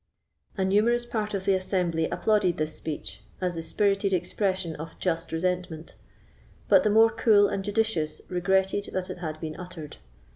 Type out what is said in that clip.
A numerous part of the assembly applauded this speech, as the spirited expression of just resentment; but the more cool and judicious regretted that it had been uttered.